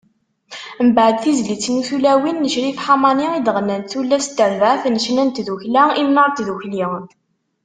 Mbeɛd, tizlit-nni “Tulawin” n Crif Ḥamani, i d-ɣennant tullas n terbaɛt n ccna n Tdukkkla Imnar n Tdukli.